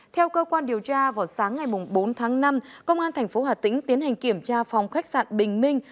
theo cơ quan điều tra vào sáng ngày bốn tháng năm công an thành phố hà tĩnh tiến hành kiểm tra phòng khách sạn bình minh